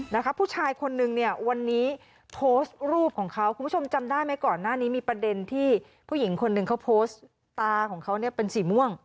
นะคะผู้ชายคนนึงเนี่ยวันนี้โพสต์รูปของเขาคุณผู้ชมจำได้ไหมก่อนหน้านี้มีประเด็นที่ผู้หญิงคนหนึ่งเขาโพสต์ตาของเขาเนี่ยเป็นสีม่วง